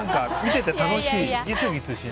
見ていて楽しい。